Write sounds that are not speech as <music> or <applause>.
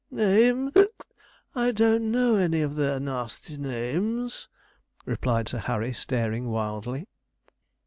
'Names! <hiccups> I don't know any of their nasty names,' replied Sir Harry, staring wildly.